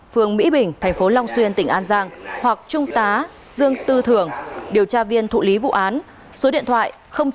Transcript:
phường mỹ bình thành phố long xuyên tỉnh an giang hoặc trung tá dương tư thường điều tra viên thụ lý vụ án số điện thoại chín trăm một mươi chín sáu mươi năm trăm năm mươi bảy